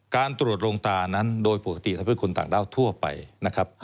การตรวจโรงตานั้นโดยปกติทำให้คนต่างด้าวทั่วไปนะครับ